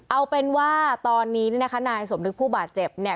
เอาเป็นว่าตอนนี้เนี่ยนะคะนายสมนึกผู้บาดเจ็บเนี่ย